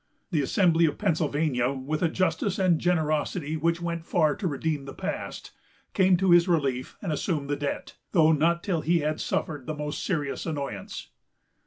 The Assembly of Pennsylvania, with a justice and a generosity which went far to redeem the past, came to his relief and assumed the debt, though not till he had suffered the most serious annoyance.